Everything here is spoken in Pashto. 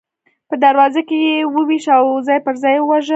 په دروازه کې یې وویشت او ځای پر ځای یې وواژه.